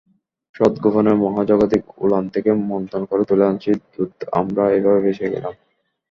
সংগোপনে মহাজাগতিক ওলান থেকে মন্থন করে তুলে আনছি দুধআমরা এভাবেই বেঁচে গেলাম।